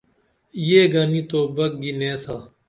یہ گنی توبک گی نیسا